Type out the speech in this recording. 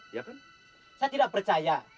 saya tidak percaya